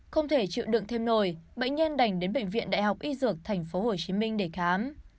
không thể chịu đựng thêm nồi bệnh nhân đành đến bệnh viện đại học y dược tp hcm để khám